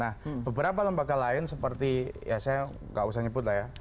nah beberapa lembaga lain seperti ya saya nggak usah nyebut lah ya